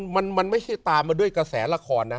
มันไม่ใช่ตามมาด้วยกระแสละครนะ